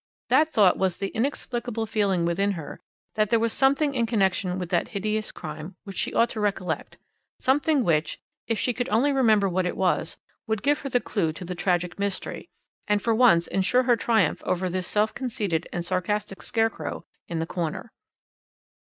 That thought was the inexplicable feeling within her that there was something in connection with that hideous crime which she ought to recollect, something which if she could only remember what it was would give her the clue to the tragic mystery, and for once ensure her triumph over this self conceited and sarcastic scarecrow in the corner.